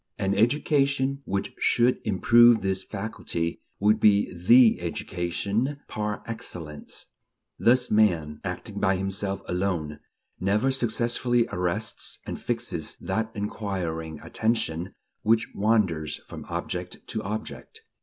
An education which should improve this faculty would be the education par excellence." Thus man, acting by himself alone, never successfully arrests and fixes that inquiring attention which wanders from object to object.